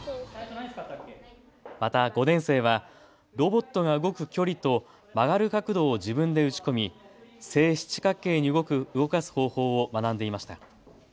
また５年生はロボットが動く距離と曲がる角度を自分で打ち込み正七角形に動かす方法を学んでいました。